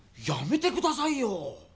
やめて下さいよ！